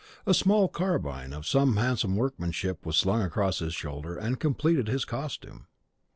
A small carbine of handsome workmanship was slung across his shoulder and completed his costume.